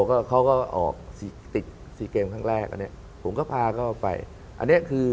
ก็เขาก็ออกสี่ติดสี่เกมครั้งแรกอันเนี้ยผมก็พาเขาไปอันเนี้ยคือ